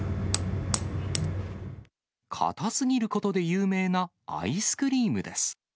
硬すぎることで有名なアイスクリームです。